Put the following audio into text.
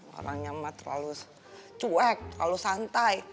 orangnya terlalu cuek terlalu santai